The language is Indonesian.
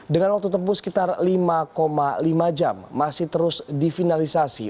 dengan waktu tempuh sekitar lima lima jam masih terus difinalisasi